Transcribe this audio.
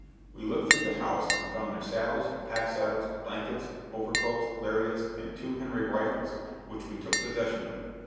We looked through the house and found their saddles, pack saddles, blankets, overcoats, lariats and two Henry rifles, which we took possession of.